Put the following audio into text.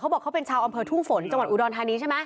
บอกเขาเป็นชาวอำเภอทุ่งฝนจังหวัดอุดรธานีใช่ไหม